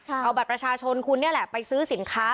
เอาบัตรประชาชนคุณนี่แหละไปซื้อสินค้า